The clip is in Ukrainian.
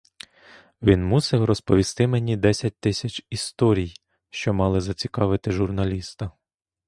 Він мусив розповісти мені десять тисяч історій, що мали зацікавити журналіста.